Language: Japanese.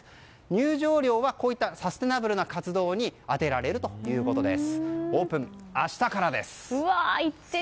入場料は、こういったサステナブルな活動に充てられるということです。